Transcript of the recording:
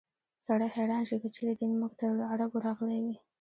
سړی حیران شي که چېرې دین موږ ته له عربو راغلی وي.